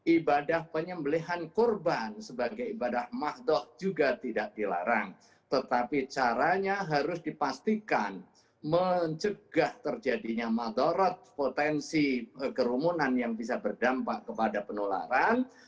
ibadah penyembelihan korban sebagai ibadah mahdoh juga tidak dilarang tetapi caranya harus dipastikan mencegah terjadinya madorot potensi kerumunan yang bisa berdampak kepada penularan